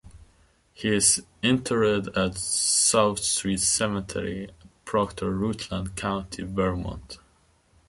He is interred at South Street Cemetery, Proctor, Rutland County, Vermont.